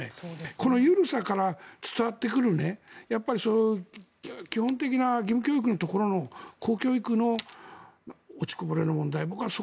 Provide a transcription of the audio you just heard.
この緩さから伝わってくる基本的な義務教育のところの公教育の落ちこぼれの問題